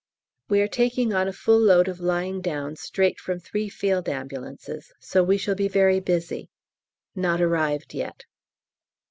We are taking on a full load of lying downs straight from three Field Ambulances, so we shall be very busy; not arrived yet.